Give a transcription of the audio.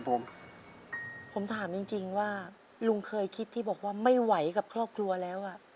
ผมผมถามจริงจริงว่าลุงเคยคิดที่บอกว่าไม่ไหวกับครอบครัวแล้วอ่ะ